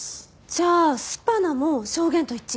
じゃあスパナも証言と一致。